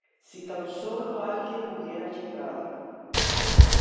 Si tan sólo alguien hubiera llegado"".